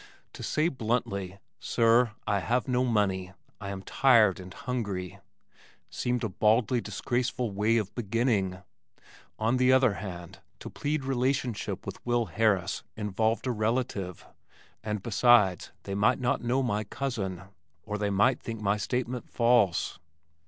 To say bluntly, "Sir, I have no money, I am tired and hungry," seemed a baldly disgraceful way of beginning. On the other hand to plead relationship with Will Harris involved a relative, and besides they might not know my cousin, or they might think my statement false.